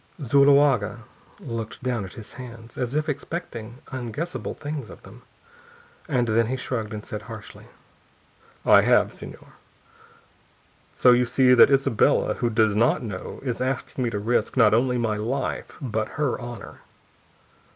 Zuloaga looked down at his hands, as if expecting unguessable things of them. And then he shrugged, and said harshly: "I have, Señor. So you see that Isabella, who does not know, is asking me to risk, not only my life, but her honor."